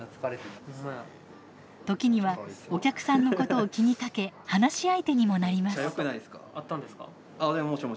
時にはお客さんのことを気にかけ話し相手にもなります。